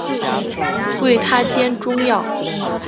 为她煎中药